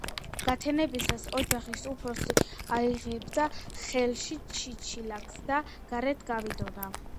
გათენებისას ოჯახის უფროსი აიღებდა ხელში ჩიჩილაკს და გარეთ გავიდოდა